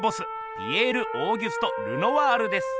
ピエール＝オーギュスト・ルノワールです。